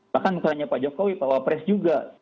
bahkan misalnya pak jokowi pak wapres juga